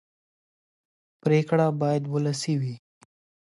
پرېکړې باید ولسي وي